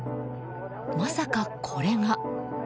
まさか、これが。